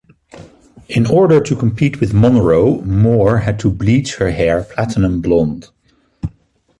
In order to compete with Monroe, Moore had to bleach her hair platinum blonde.